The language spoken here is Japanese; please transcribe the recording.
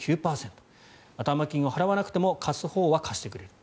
頭金を払わなくても貸すほうは貸してくれる。